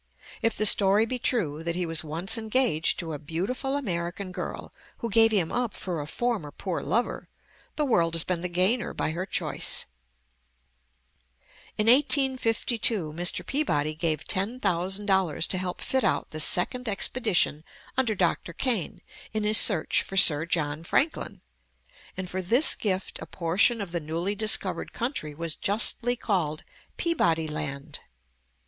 If the story be true, that he was once engaged to a beautiful American girl, who gave him up for a former poor lover, the world has been the gainer by her choice. In 1852, Mr. Peabody gave ten thousand dollars to help fit out the second expedition under Dr. Kane, in his search for Sir John Franklin; and for this gift a portion of the newly discovered country was justly called Peabody Land.